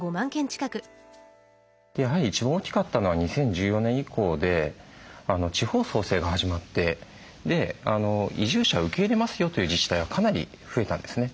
やはり一番大きかったのは２０１４年以降で地方創生が始まってで移住者を受け入れますよという自治体がかなり増えたんですね。